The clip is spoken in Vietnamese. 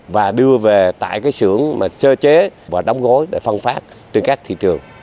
và đưa về tại cái xưởng mà sơ chế và đóng gối để phân phát trên các thị trường